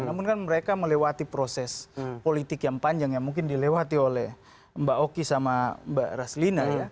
namun kan mereka melewati proses politik yang panjang yang mungkin dilewati oleh mbak oki sama mbak raslina ya